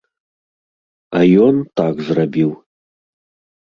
А ён так зрабіў.